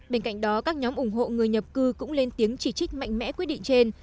bên cạnh đó các nhóm ủng hộ người nhập cư cũng lên tiếng chỉ trích mạnh mẽ quyết định trên